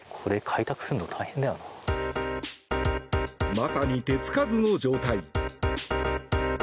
まさに手付かずの状態。